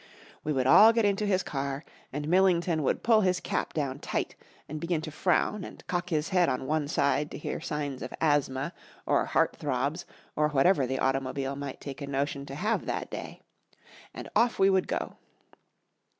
We would all get into his car, and Millington would pull his cap down tight, and begin to frown and cock his head on one side to hear signs of asthma or heart throbs or whatever the automobile might take a notion to have that day. And off we would go!